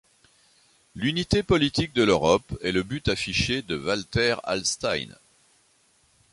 L'unité politique de l'Europe est le but affiché de Walter Hallstein.